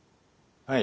はい。